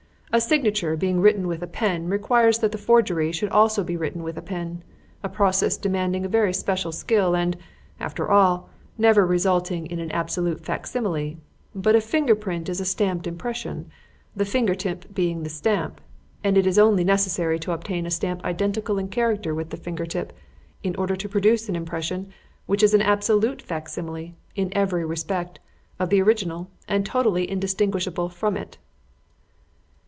A signature, being written with a pen, requires that the forgery should also be written with a pen, a process demanding very special skill and, after all, never resulting in an absolute facsimile. But a finger print is a stamped impression the finger tip being the stamp; and it is only necessary to obtain a stamp identical in character with the finger tip, in order to produce an impression which is an absolute facsimile, in every respect, of the original, and totally indistinguishable from it."